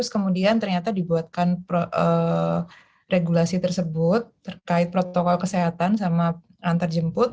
kemudian ternyata dibuatkan regulasi tersebut terkait protokol kesehatan sama antarjemput